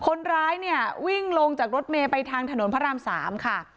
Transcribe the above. คนร้ายเนี่ยวิ่งลงจากรถเมย์ไปทางถนนพระราม๓ค่ะ